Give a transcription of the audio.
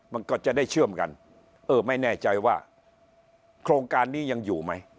มันก็จะได้เชื่อมกันเออไม่แน่ใจว่าโครงการนี้ยังอยู่ไหม